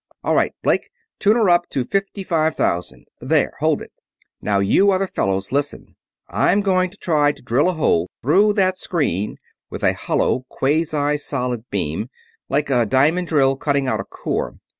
All right, Blake, tune her up to fifty five thousand there, hold it! Now, you other fellows, listen! I'm going to try to drill a hole through that screen with a hollow, quasi solid beam; like a diamond drill cutting out a core.